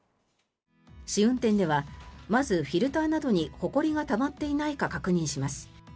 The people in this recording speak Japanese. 試運転ではまず、フィルターなどにほこりがたまっていないか確認します。